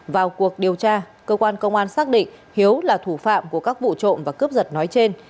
vào cuộc điều tra cơ quan công an xác định hiếu là thủ phạm của các vụ trộm và cướp giật nói trên